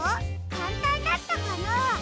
かんたんだったかな？